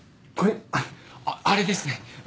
これあれですね。